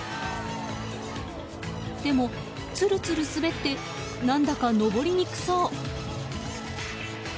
でも、つるつる滑って何だか登りにくそう。